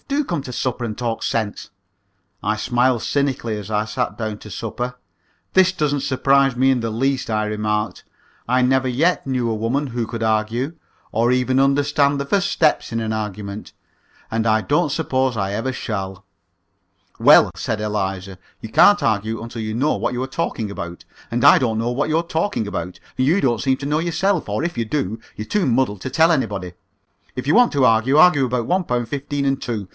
Do come to supper and talk sense." I smiled cynically as I sat down to supper. "This doesn't surprise me in the least," I remarked. "I never yet knew a woman who could argue, or even understand the first step in an argument, and I don't suppose I ever shall." "Well," said Eliza, "you can't argue until you know what you are talking about, and I don't know what you're talking about, and you don't seem to know yourself, or, if you do, you're too muddled to tell anybody. If you want to argue, argue about one pound fifteen and two.